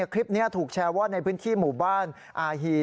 คลิปนี้ถูกแชร์ว่าในพื้นที่หมู่บ้านอาฮี